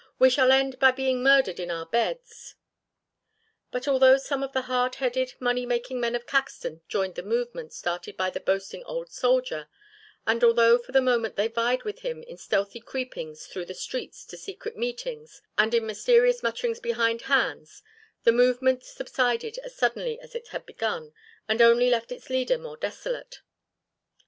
We shall end by being murdered in our beds!" But although some of the hard headed, money making men of Caxton joined the movement started by the boasting old soldier and although for the moment they vied with him in stealthy creepings through the streets to secret meetings and in mysterious mutterings behind hands the movement subsided as suddenly as it had begun and only left its leader more desolate.